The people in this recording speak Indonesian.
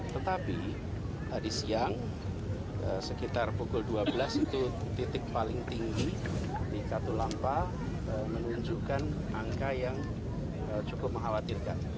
tetapi tadi siang sekitar pukul dua belas itu titik paling tinggi di katulampa menunjukkan angka yang cukup mengkhawatirkan